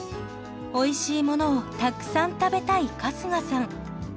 おいしいものをたくさん食べたい春日さん。